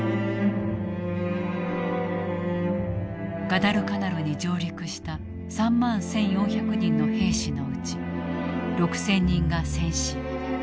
ガダルカナルに上陸した３万１，４００人の兵士のうち６，０００人が戦死。